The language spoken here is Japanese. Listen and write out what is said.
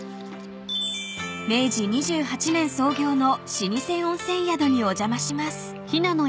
［明治２８年創業の老舗温泉宿にお邪魔します］